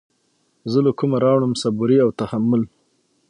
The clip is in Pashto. زه له كومه راوړم صبوري او تحمل